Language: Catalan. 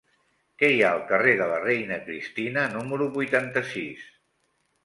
Què hi ha al carrer de la Reina Cristina número vuitanta-sis?